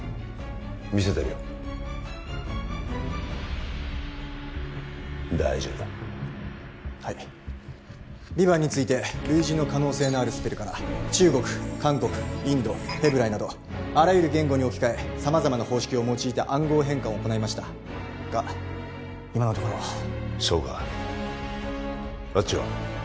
見せてみろ大丈夫だはいヴィヴァンについて類似の可能性のあるスペルから中国韓国インドヘブライなどあらゆる言語に置き換え様々な方式を用いて暗号変換を行いましたが今のところそうかあっちは？